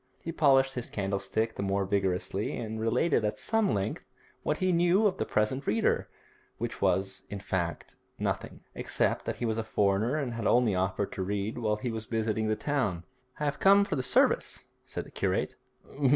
He polished his candlestick the more vigorously, and related at some length what he knew of the present reader, which was, in fact, nothing, except that he was a foreigner and had only offered to read while he was visiting the town. 'I have come for the service,' said the curate.